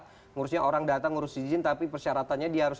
mengurusnya orang datang ngurus izin tapi persyaratannya dia harus